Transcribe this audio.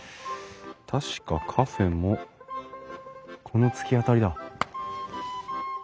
確かカフェもこの突き当たりだ。